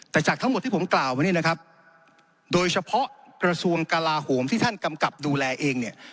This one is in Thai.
แต่จากทั้งหมดที่ผมกล่าวมานี่นะครับโดยเฉพาะกระทรวงกลาโหมที่ท่านกำกับดูแลเองเนี่ย